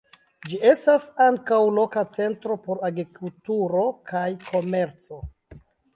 Ĝi estas ankaŭ loka centro por agrikulturo kaj komerco.